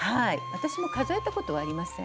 私も数えたことはありません。